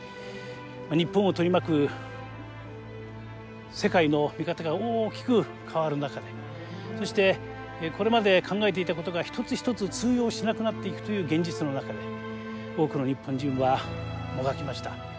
日本を取り巻く世界の見方が大きく変わる中でそしてこれまで考えていたことが一つ一つ通用しなくなっていくという現実の中で多くの日本人はもがきました。